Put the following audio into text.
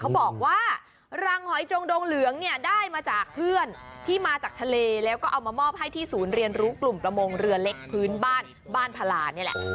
เขาบอกว่ารังหอยจงดงเหลืองเนี่ยได้มาจากเพื่อนที่มาจากทะเลแล้วก็เอามามอบให้ที่ศูนย์เรียนรู้กลุ่มประมงเรือเล็กพื้นบ้านบ้านพลานี่แหละ